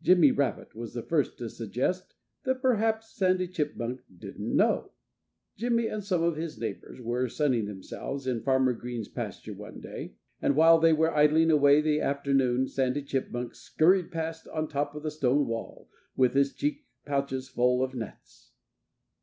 Jimmy Rabbit was the first to suggest that perhaps Sandy Chipmunk didn't know. Jimmy and some of his neighbors were sunning themselves in Farmer Green's pasture one day. And while they were idling away the afternoon Sandy Chipmunk scurried past on top of the stone wall, with his cheek pouches full of nuts.